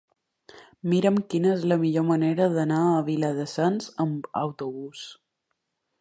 Mira'm quina és la millor manera d'anar a Viladasens amb autobús.